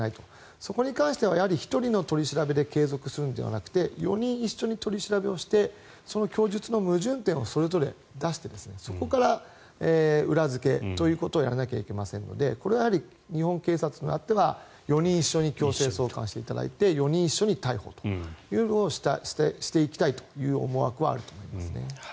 そこに関しては１人の取り調べで継続するのではなく４人一緒に取り調べをしてその供述の矛盾点をそれぞれ出してそこから裏付けということをやらなきゃいけませんのでこれは日本警察としては４人一緒に強制送還していただいて４人一緒に逮捕をしていきたいという思惑はあると思いますね。